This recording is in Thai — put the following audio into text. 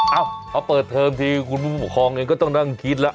เอ้าพอเปิดเทอมทีคุณผู้ปกครองเองก็ต้องนั่งคิดแล้ว